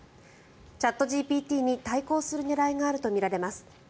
チャットＧＰＴに対抗する狙いがあるとみられます。